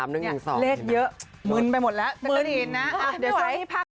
เลขเยอะมื้นไปหมดละมื้นอีกนะ